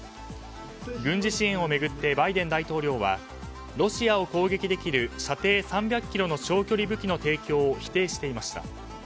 軍事支援を巡ってバイデン大統領はロシアを攻撃できる射程３００ｋｍの小距離武器の提供を否定していました。